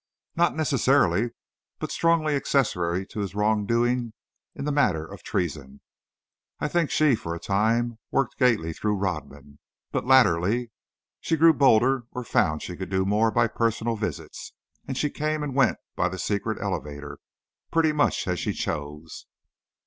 "Not necessarily; but strongly accessory to his wrongdoing in the matter of treason. I think she, for a time, worked Gately through Rodman, but, latterly, she grew bolder or found she could do more by personal visits and she came and went by the secret elevator, pretty much as she chose."